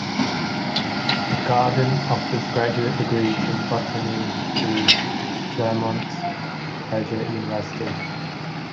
The garden offers graduate degrees in botany through Claremont Graduate University.